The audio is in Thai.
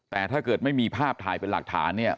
แต่ถ้าเกิดไม่มีภาพถ่ายเป็นหลักฐานเนี่ย